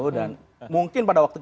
dan mungkin pada waktu itu